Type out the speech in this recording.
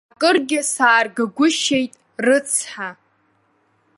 Акыргьы сааргагәышьеит, рыцҳа.